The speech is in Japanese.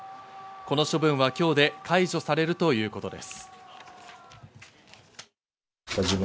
この処分は今日で解除されるということです。